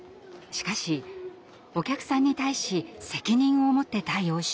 しかしお客さんに対し責任を持って対応します。